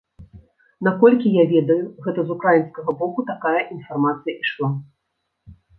Наколькі я ведаю, гэта з украінскага боку такая інфармацыя ішла.